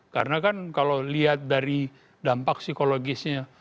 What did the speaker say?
karena kan kalau lihat dari dampak psikologisnya